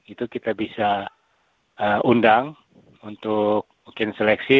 itu kita bisa undang untuk mungkin seleksi